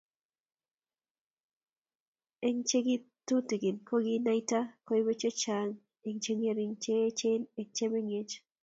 Eng chengetune kokinaita koibei chechang eng chengering, cheechen eng chemengech